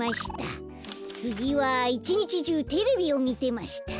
つぎは「いち日じゅうてれびをみてました」。